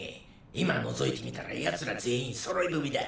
今のぞいてみたらヤツら全員そろい踏みだ。